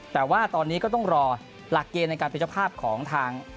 แต่ว่าตอนนี้ก็ต้องรอหลักเกณฑ์ในการเป็นเจ้าภาพของทาง